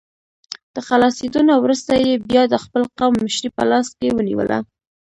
له خلاصېدو نه وروسته یې بیا د خپل قوم مشري په لاس کې ونیوله.